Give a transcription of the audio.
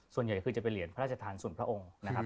ส่วนใหญ่คือจะเป็นเหรียญพระราชทานส่วนพระองค์นะครับ